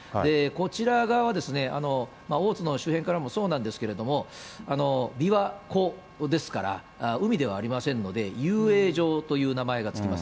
こちら側は、大津の周辺からもそうなんですけれども、琵琶湖ですから、海ではありませんので、遊泳場という名前が付きます。